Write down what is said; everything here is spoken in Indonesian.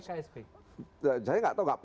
saya gak tahu